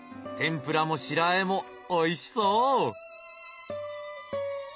天ぷらも白和えもおいしそう！